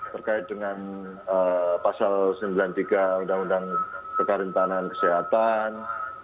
terkait dengan pasal sembilan puluh tiga undang undang kekarentanan kesehatan